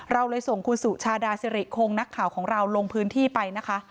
เราเลยส่งคุณสุชาดาสิริคงนักข่าวของเราลงพื้นที่ไปนะคะ